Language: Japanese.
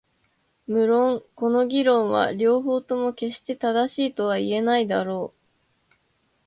無論この議論は両方とも決して正しいとは言えないだろう。